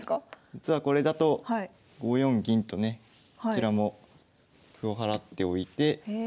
実はこれだと５四銀とねこちらも歩を払っておいて。